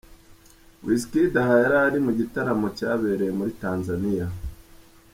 Wizkid aha yarari mu gitaramo cyabereye muri Tanzania.